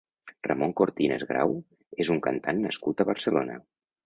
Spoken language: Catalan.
Ramon Cortinas Grau és un cantant nascut a Barcelona.